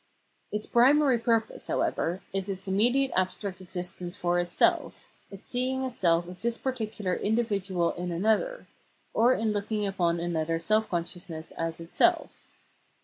Its primary purpose, however, is its immediate abstract existence for itself, its seeing itself as this particular individual in another, or in looking upon another self consciousness as itself.